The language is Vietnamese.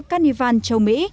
cát nao văn đường phố